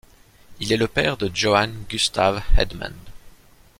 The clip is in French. Il est le père de Johan Gustav Hedman.